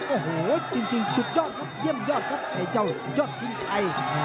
โอ้โหจริงสุดยอดครับเยี่ยมยอดครับไอ้เจ้ายอดชิงชัย